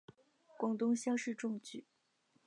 广东乡试中举。